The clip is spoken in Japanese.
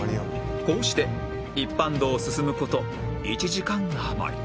こうして一般道を進む事１時間あまり